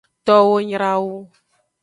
Towo nyra wu.